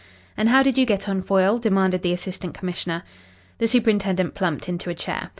"And how did you get on, Foyle?" demanded the Assistant Commissioner. The superintendent plumped into a chair.